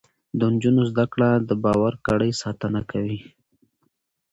د نجونو زده کړه د باور کړۍ ساتنه کوي.